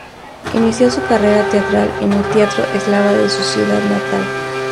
Inició su carrera teatral en el Teatro Eslava de su ciudad natal.